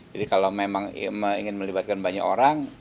jadi kalau memang ingin melibatkan banyak orang